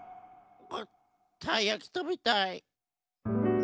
わったいやきたべたい。